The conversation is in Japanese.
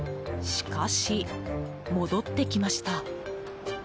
しかし戻ってきました。